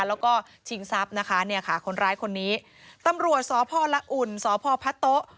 แล้วก็ชิงทรัพย์นะคะเนี่ยค่ะคนร้ายคนนี้ตำรวจสพละอุ่นสพพะโต๊ะ